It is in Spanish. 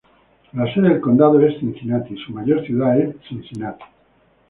La sede del condado es Cincinnati, y su mayor ciudad es Cincinnati.